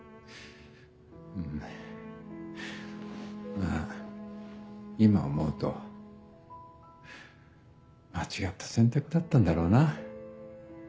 まぁ今思うと間違った選択だったんだろうな。